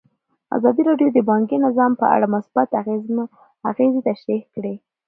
ازادي راډیو د بانکي نظام په اړه مثبت اغېزې تشریح کړي.